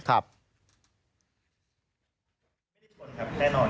ครับ